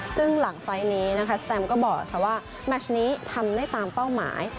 ซึ่งหลังไฟล์นี้นะคะสแตมก็บอกว่าแมชนี้ทำได้ตามเป้าหมาย